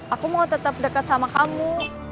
aku mau tetap dekat sama kamu